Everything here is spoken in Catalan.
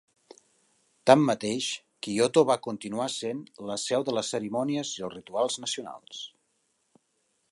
Tanmateix, Kyoto va continuar sent la seu de les cerimònies i els rituals nacionals.